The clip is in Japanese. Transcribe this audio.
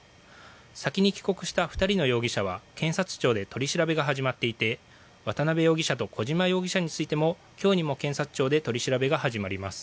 先に帰国した２人の容疑者は検察庁で取り調べが始まっていて渡邉容疑者と小島容疑者についても今日にも検察庁で取り調べが始まります。